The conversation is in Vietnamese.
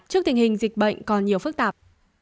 trước tình hình dịch bệnh còn nhiều phức tạp